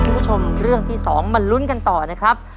คุณผู้ชมเรื่องที่สองมาลุ้นกันต่อนะครับ